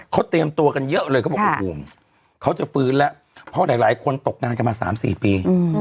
เค้าเตรียมตัวกันเยอะเลยเค้าจะฟื้นแล้วเพราะหลายคนตกนานกันมา๓๔ปี